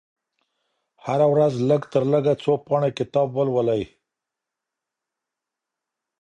هره ورځ لږترلږه څو پاڼې کتاب ولولئ.